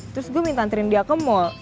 terus gue minta antrin dia ke mall